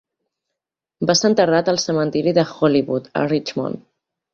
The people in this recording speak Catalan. Va ser enterrat al cementiri de Hollywood, a Richmond.